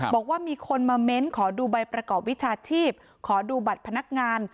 บอกว่ามีคนมาเม้นขอดูใบประกอบวิชาชีพขอดูบัตรพนักงาน